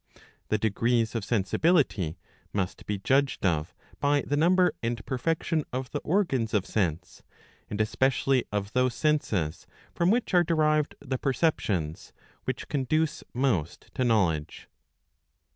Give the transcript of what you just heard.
The degrees of ' sensibility must be judged of by the number and perfection of the organs of sense, and especially of those senses from which are* derived the perceptions, which conduce most to knowledge.